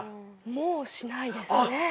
もうしないですね。